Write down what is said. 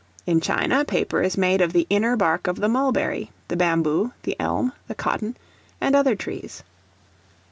In China, paper is made of the inner bark of the mulberry, the bamboo, the elm, the cotton, and other trees.